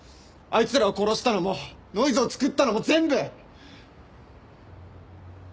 あいつらを殺したのもノイズを作ったのも全部！